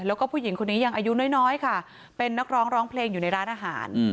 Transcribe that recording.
แล้วก็ผู้หญิงคนนี้ยังอายุน้อยค่ะเป็นนักร้องร้องเพลงอยู่ในร้านอาหาร